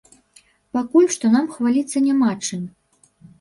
Пакуль што нам хваліцца няма чым.